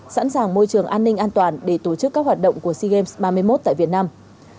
sẵn sàng môi trường an ninh an toàn để tổ chức các hoạt động của sea games ba mươi một tại việt nam